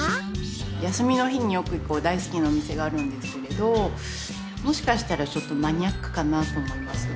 休みの日によく行く大好きなお店があるんですけれどもしかしたらちょっとマニアックかなと思います。